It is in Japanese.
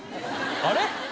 あれ？